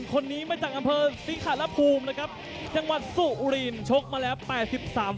คนนี้มาจากอำเภอซิคาระภูมินะครับจังหวัดสุรินชกมาแล้ว๘๓ไฟต์